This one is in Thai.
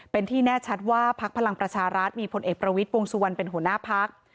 เป็นที่แน่ชัดว่าพักพลังประชารัฐมีผลเอกประวิทย์วงสุวรรณเป็นหัวหน้าพัก